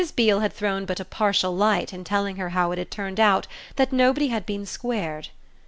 Beale had thrown but a partial light in telling her how it had turned out that nobody had been squared.